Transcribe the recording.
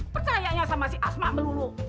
percayanya sama si asma melulu